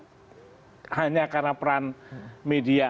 karena hanya karena peran media